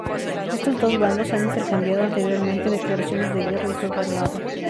Estos dos bandos han intercambiado anteriormente declaraciones de guerra y fuego armado.